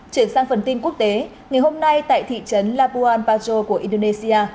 chuyển sang phần tin quốc tế ngày hôm nay tại thị trấn labuan paja của indonesia